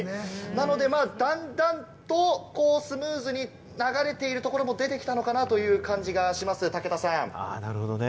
なので、だんだんとスムーズに流れているところも出てきたのかなという感じがします、武田さん。